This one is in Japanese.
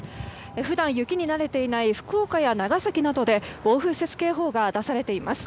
普段、雪に慣れていない福岡や長崎などで暴風雪警報が出されています。